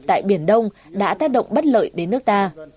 tại biển đông đã tác động bất lợi đến nước ta